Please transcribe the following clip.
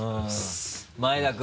前田君。